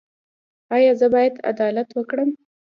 ایا زه باید عدالت وکړم؟